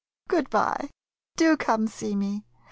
Good by — do come see me.